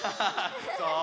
そう。